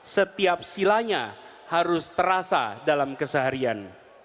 setiap silanya harus terasa dalam keseharian